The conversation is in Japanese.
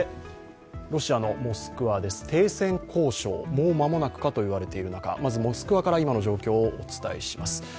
ロシアのモスクワです、停戦交渉、もう間もなくかと言われている中、まずモスクワから今の状況をお伝えします。